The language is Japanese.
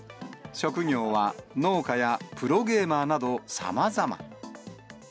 職業は農家やプロゲーマーなど、さまざま。